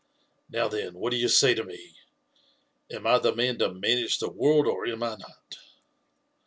Now, then, what d'ye say to me ?— am I the man to manage the world, or am I not?"